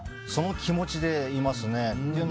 その気持ちでいますね。